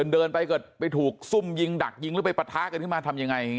เดินไปก็ไปถูกซุ่มยิงดักยิงแล้วไปปะท้ากันมาทำยังไง